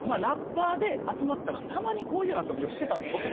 ラッパーで集まったらたまにこういう遊びをしてたんです。